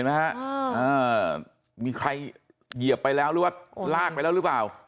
โอโฮมีใครเหยียบไปได้แล้วลากไปแล้วหรือเปล่า